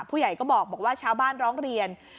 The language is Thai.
ผู้ใหญ่ก็บอกว่าชาวบ้านร้องเรียน